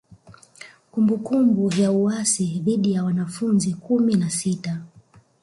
Kumbukumbu ya uasi dhidi ya wanafunzi kumi na sita